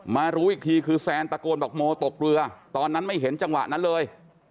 รู้อีกทีคือแซนตะโกนบอกโมตกเรือตอนนั้นไม่เห็นจังหวะนั้นเลย